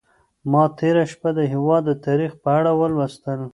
ما تېره شپه د هېواد د تاریخ په اړه ولوستل.